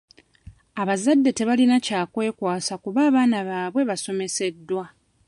Abazadde tebalina kya kwekwasa kuba abaana baabwe basomeseddwa.